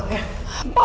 pak udah dong pak